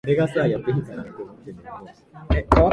う ｍ ぬ ｊｎ